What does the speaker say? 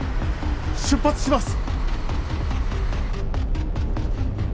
・出発します